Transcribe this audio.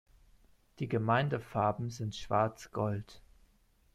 Die Gemeindefarben sind schwarz-gold.